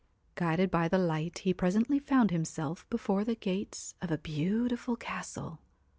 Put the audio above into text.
Guided by the light he presently found himself before the gates of a beautiful castle.